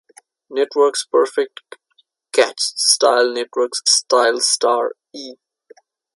Network's "Perfect Catc"h, Style Network's "Style Star", E!